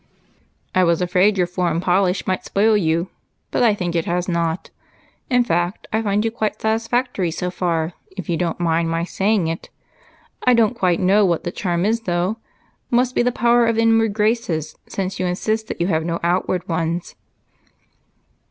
I was afraid your foreign polish might spoil you, but I think it has not. In fact, I find you quite satisfactory so far, if you don't mind my saying it. I don't quite know what the charm is, though. Must be the power of inward graces, since you insist that you have no outer ones."